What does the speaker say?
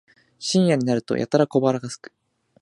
深夜になるとやたら小腹がすく